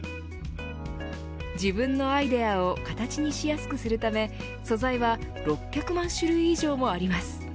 自分のアイデアを形にしやすくするため素材は６００万種類以上もあります。